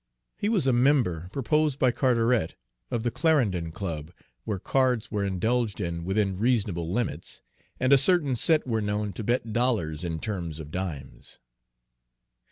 He was a member, proposed by Carteret, of the Clarendon Club, where cards were indulged in within reasonable limits, and a certain set were known to bet dollars in terms of dimes.